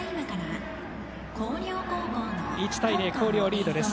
１対０、広陵がリードです。